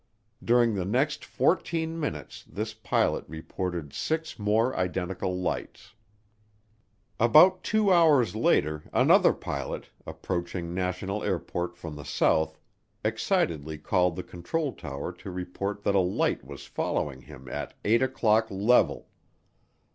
During the next fourteen minutes this pilot reported six more identical lights. About two hours later another pilot, approaching National Airport from the south, excitedly called the control tower to report that a light was following him at "eight o'clock level."